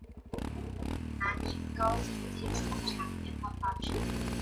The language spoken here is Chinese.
南宁高新技术产业开发区